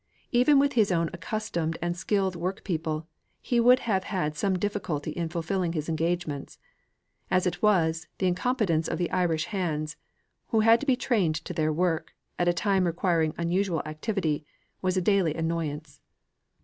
Even with his own accustomed and skilled workpeople, he would have had some difficulty in fulfilling his engagements; as it was, the incompetence of the Irish hands, who had to be trained to their work, at a time requiring unusual activity, was a daily annoyance.